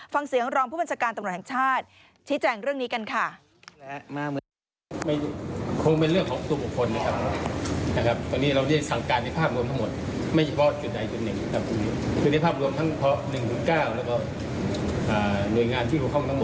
ฟังเสียงรองผู้บัญชาการตำรวจแห่งชาติชี้แจงเรื่องนี้กันค่ะ